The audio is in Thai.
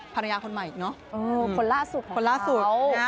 ภรรยาคนใหม่เนอะเออคนล่าสุดของเขาคนล่าสุดฮะ